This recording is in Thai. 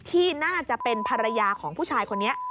ที่น่าจะเป็นภรรยาของผู้ชายคนนี้